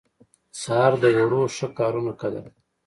سهار د وړو ښه کارونو قدر دی.